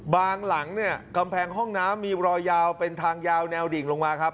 หลังเนี่ยกำแพงห้องน้ำมีรอยยาวเป็นทางยาวแนวดิ่งลงมาครับ